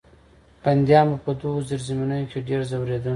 بندیان به په دغو زیرزمینیو کې ډېر ځورېدل.